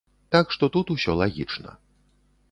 Так што тут усё лагічна.